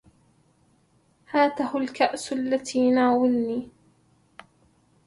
هاته الكأس التي ناولني